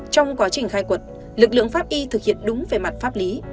trong quá trình khai quật lực lượng pháp y thực hiện đúng về mặt pháp lý